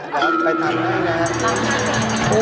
เดี๋ยวไปทำได้ไง